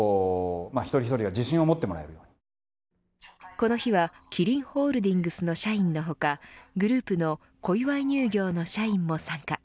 この日はキリンホールディングスの社員の他グループの小岩井乳業の社員も参加。